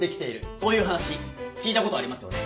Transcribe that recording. そういう話聞いたことありますよね。